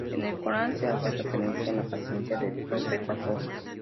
En el Corán se hace referencia a la paciencia del profeta Job.